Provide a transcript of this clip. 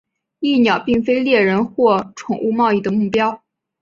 蚁鸟并非猎人或宠物贸易的目标。